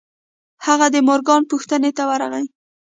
هغه د مورګان پوښتنې ته ورغی.